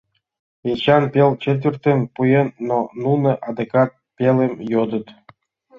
Эчан пел четвертым пуэн, но нуно адакат пелым йодыт.